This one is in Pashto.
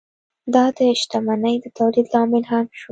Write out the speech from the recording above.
دا د شتمنۍ د تولید لامل هم شو.